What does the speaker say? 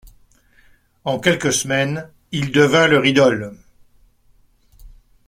En quelques semaines, il devint leur idole.